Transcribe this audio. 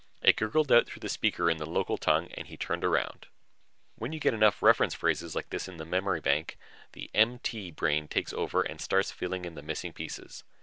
It gurgled out through the speaker in the local tongue and he turned around. When you get enough reference phrases like this in the memory bank, the MT brain takes over and starts filling in the missing pieces.